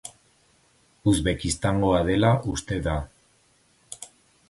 Uzbekistangoa dela uste da.